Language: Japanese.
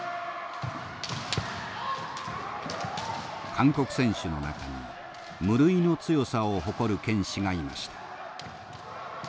韓国選手の中に無類の強さを誇る剣士がいました。